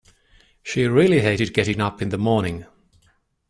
She really hated getting up in the morning